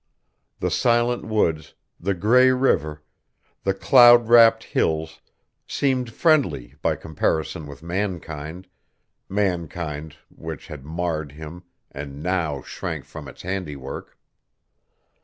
The silent woods, the gray river, the cloud wrapped hills seemed friendly by comparison with mankind, mankind which had marred him and now shrank from its handiwork.